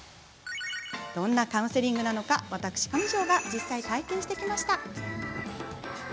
どんなカウンセリングなのか私、上條が体験してきました。